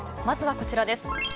まずはこちらです。